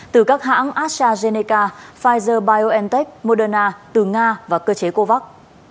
từ các hãng astrazeneca pfizer biontech moderna từ nga và cơ chế covax